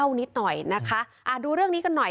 นิดหน่อยนะคะอ่าดูเรื่องนี้กันหน่อย